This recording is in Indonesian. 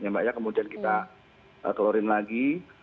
mbaknya kemudian kita klorin lagi